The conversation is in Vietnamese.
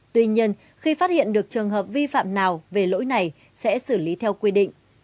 tuy nhiên khi phát hiện được trường hợp vi phạm nào về lỗi này sẽ xử lý theo quy định